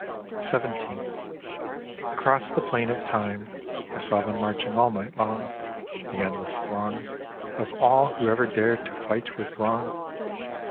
XVII Across the plain of Time I saw them marching all night long, The endless throng Of all who ever dared to fight with wrong.